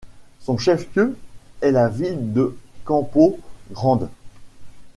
Son chef-lieu est la ville de Campo Grande.